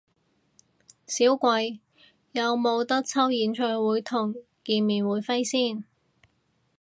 少貴，有無得抽演唱會同見面會飛先？